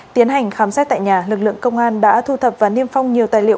tiến hành khám xét tại nhà lực lượng công an đã thu thập và niêm phong nhiều tài liệu